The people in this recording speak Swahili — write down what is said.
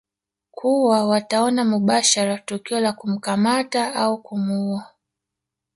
kuwa wataona mubashara tukio la kumkamata au kumuua